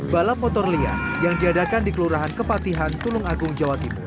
balap motor liar yang diadakan di kelurahan kepatihan tulung agung jawa timur